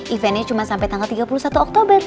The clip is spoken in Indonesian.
eventnya cuma sampai tanggal tiga puluh satu oktober